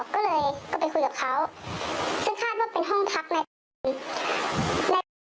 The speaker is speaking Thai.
ก็เลยก็ไปคุยกับเขาซึ่งคาดว่าเป็นห้องพักในตัวเอง